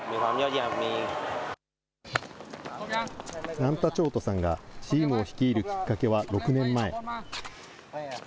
ナンタチョートさんがチームを率いるきっかけは６年前。